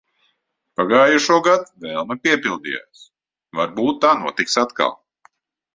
Pagājušogad vēlme piepildījās. Varbūt tā notiks atkal.